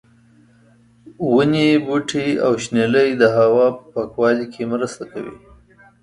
ونې، بوټي او شنېلی د هوا په پاکوالي کې مرسته کوي.